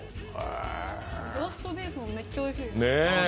ローストビーフもめっちゃおいしいです。